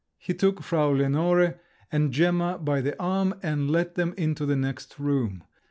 He took Frau Lenore and Gemma by the arm, and led them into the next room.